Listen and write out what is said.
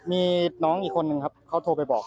มีน้องอีกคนนึงครับเขาโทรไปบอก